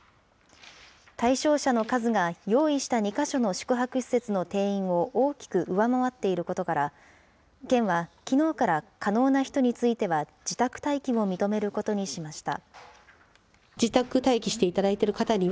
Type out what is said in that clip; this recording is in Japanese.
対象者の数が、用意した２か所の宿泊施設の定員を大きく上回っていることから、県はきのうから可能な人については自宅待機も認めることにしました。